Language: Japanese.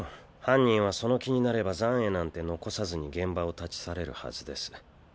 犯人はその気になれば残穢なんて残さずに現場を立ち去れるはずです。